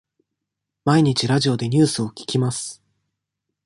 毎日ラジオでニュースを聞きます。